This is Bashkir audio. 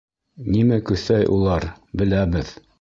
Нимә көҫәй улар — беләбеҙ!